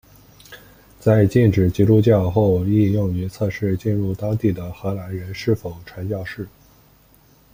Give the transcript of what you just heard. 在禁止基督教后亦用于测试进入当地的荷兰人是否传教士。